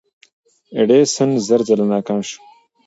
ایډیسن زر ځله ناکام شو.